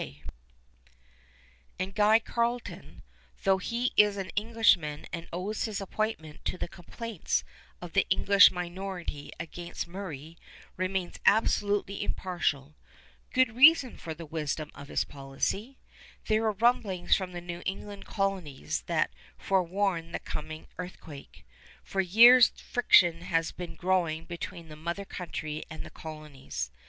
[Illustration: GENERAL MURRAY, FIRST GOVERNOR OF QUEBEC] And Guy Carleton, though he is an Englishman and owes his appointment to the complaints of the English minority against Murray, remains absolutely impartial. Good reason for the wisdom of his policy. There are rumblings from the New England colonies that forewarn the coming earthquake. For years friction has been growing between the mother country and the colonies.